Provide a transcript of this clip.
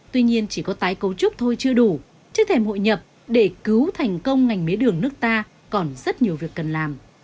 tuy nhiên chỉ có tái cấu trúc thôi chưa đủ trước thềm hội nhập để cứu thành công ngành mía đường nước ta còn rất nhiều việc cần làm